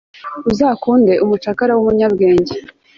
uzakunde umucakara w'umunyabwenge